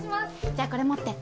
じゃあこれ持って。